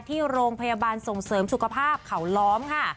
ที่โรงพยาบาลส่งเสริมสุขภาพเขาล้อมค่ะ